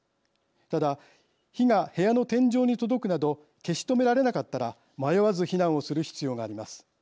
ただ火が部屋の天井に届くなど消し止められなかったら迷わず避難をする必要があります。